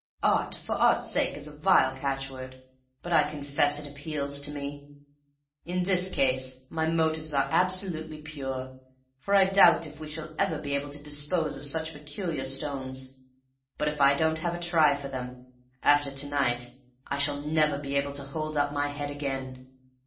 Art for art's sake is a vile catchword, but I confess it appeals to me. In this case my motives are absolutely pure, for I doubt if we shall ever be able to dispose of such peculiar stones. But if I don't have a try for them after to night I shall never be able to hold up my head again."